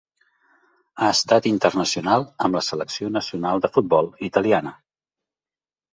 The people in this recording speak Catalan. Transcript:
Ha estat internacional amb la selecció nacional de futbol italiana.